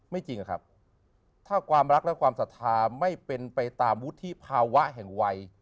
จริงอะครับถ้าความรักและความศรัทธาไม่เป็นไปตามวุฒิภาวะแห่งวัย